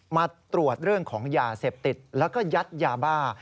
มาตรวจเรื่องของยาเสพติดแล้วก็ยัดยาบ้า